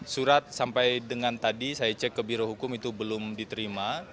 surat sampai dengan tadi saya cek ke birohukum itu belum diterima